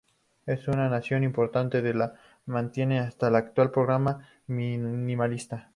Es una noción importante que se mantiene hasta el actual Programa minimalista.